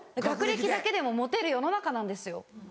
学歴だけでもモテる世の中なんですよ。